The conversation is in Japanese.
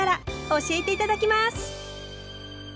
教えて頂きます。